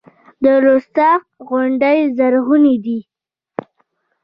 د رستاق غونډۍ زرغونې دي